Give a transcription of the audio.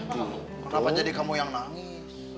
kenapa jadi kamu yang nangis